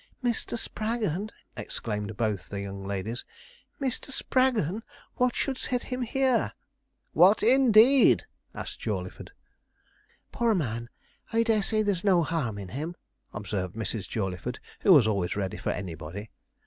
'Mr. Spraggon!' exclaimed both the young ladies. 'Mr. Spraggon! what should set him here?' 'What, indeed?' asked Jawleyford. 'Poor man! I dare say there's no harm in him,' observed Mrs. Jawleyford, who was always ready for anybody.